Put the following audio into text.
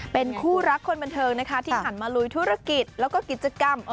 เป็นคู่รักคนบันเทิงนะคะที่หันมาลุยธุรกิจแล้วก็กิจกรรม